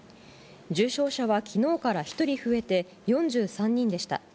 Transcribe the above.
重症者はきのうから１人増えて４３人でした。